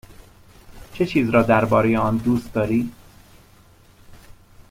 چه چیز را درباره آن دوست داری؟